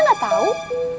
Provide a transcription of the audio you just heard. aduh tuh liat